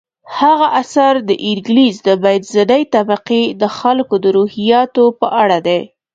هغه اثر د انګلیس د منځنۍ طبقې د خلکو د روحیاتو په اړه دی.